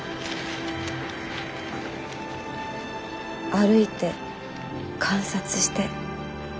歩いて観察して。